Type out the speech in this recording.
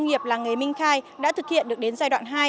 nghiệp làng nghề minh khai đã thực hiện được đến giai đoạn hai